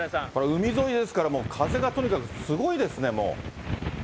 海沿いですからもう風がとにかくすごいですね、もう。